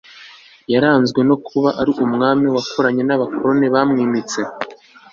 yaranzwe no kuba ari umwami wakoranye n'abakoroni bamwimitse